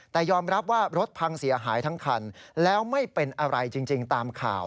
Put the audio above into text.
แต่ยอมรับว่ารถพังเสียหายทั้งคันแล้วไม่เป็นอะไรจริงตามข่าว